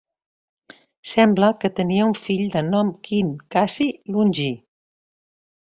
Sembla que tenia un fill de nom Quint Cassi Longí.